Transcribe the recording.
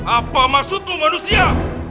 apa maksudmu manusia